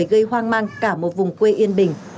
giết người gây hoang mang cả một vùng quê yên bình